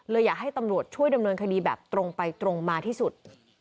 อยากให้ตำรวจช่วยดำเนินคดีแบบตรงไปตรงมาที่สุด